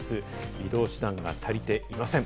移動手段が足りていません。